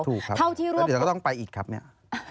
ถูกครับแต่เดี๋ยวก็ต้องไปอีกครับเนี่ย